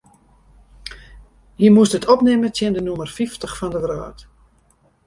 Hy moast it opnimme tsjin de nûmer fyftich fan de wrâld.